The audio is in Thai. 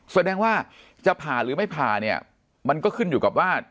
แสดงว่าจะผ่าหรือไม่ผ่าเนี่ยมันก็ขึ้นอยู่กับว่า